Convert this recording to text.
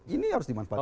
ini harus dimanfaatkan